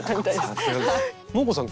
モー子さん